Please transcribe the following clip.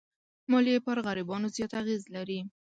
مالیې پر غریبانو زیات اغېز لري.